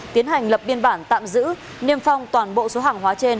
tiến hành lập biên bản tạm giữ niêm phong toàn bộ số hàng hóa trên